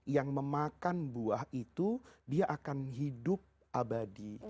yang memakan buah itu dia akan hidup abadi